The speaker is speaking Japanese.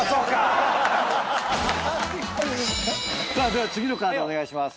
では次のカードお願いします。